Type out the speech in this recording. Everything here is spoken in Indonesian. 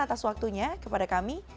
atas waktunya kepada kami